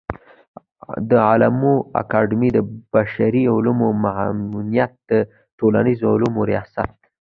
د علومو اکاډمۍ د بشري علومو معاونيت د ټولنيزو علومو ریاست